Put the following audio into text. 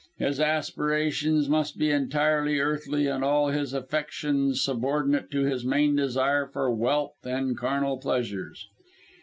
His aspirations must be entirely earthly, and all his affections subordinate to his main desire for wealth and carnal pleasures.